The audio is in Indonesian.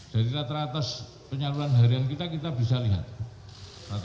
jadi rata rata penyaluran harian kita bisa dilihat